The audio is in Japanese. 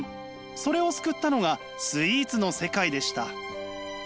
それを救ったのがスイーツの世界でした。